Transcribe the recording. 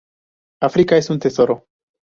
África es un tesoro.